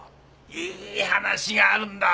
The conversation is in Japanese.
いい話があるんだ。